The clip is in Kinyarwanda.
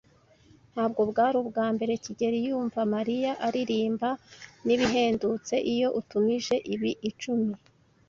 Ntabwo bwari ubwa mbere kigeli yumva Mariya aririmba. Nibihendutse iyo utumije ibi icumi.